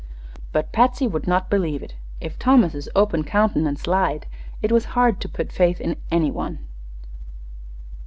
But Patsy would not believe it. If Thomas' open countenance lied, it was hard to put faith in any one.